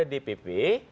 meminta kepada dpp